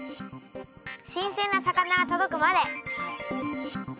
「新鮮な魚がとどくまで」。